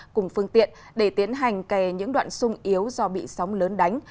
cùng phương tiện để tiến hành kè những đoạn sung yếu do bị sóng lớn đánh